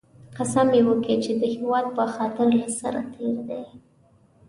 قسم یې وکی چې د هېواد په خاطر له سره تېر دی